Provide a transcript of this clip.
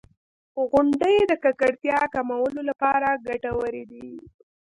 • غونډۍ د ککړتیا کمولو لپاره ګټورې دي.